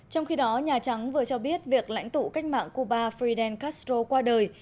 trong khi đó nhà trắng vừa cho biết việc lãnh thủ cách mạng cuba freedom castro qua đời